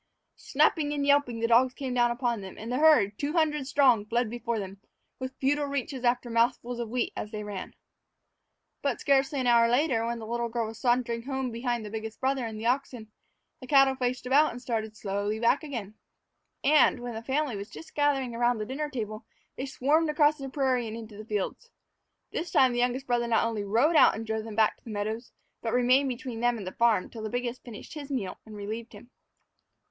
Snapping and yelping, the dogs came down upon them, and the herd, two hundred strong, fled before them, with futile reaches after mouthfuls of the wheat as they ran. But, scarcely an hour later, when the little girl was sauntering home behind the biggest brother and the oxen, the cattle faced about and started slowly back again; and, when the family was just gathering about the dinner table, they swarmed across the prairie and into the fields. This time the youngest brother not only rode out and drove them back to the meadows, but remained between them and the farm till the biggest finished his meal and relieved him.